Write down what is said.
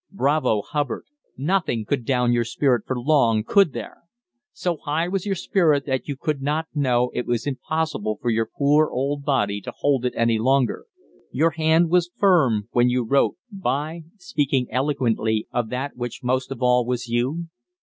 Bravo, Hubbard! nothing could down your spirit for long, could there? So high was your spirit that you could not know it was impossible for your poor old body to hold it any longer. Your hand was firm when you wrote, b'y, speaking eloquently of that which most of all was you.